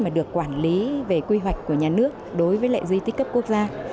mà được quản lý về quy hoạch của nhà nước đối với lại di tích cấp quốc gia